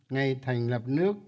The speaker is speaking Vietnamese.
ngày thành lập nước